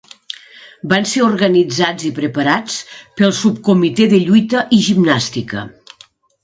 Van ser organitzats i preparats pel Subcomitè de Lluita i Gimnàstica.